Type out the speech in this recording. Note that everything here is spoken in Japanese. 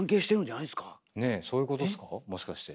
ねえそういうことですか？